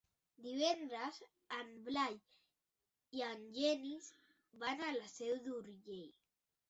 Divendres en Blai i en Genís van a la Seu d'Urgell.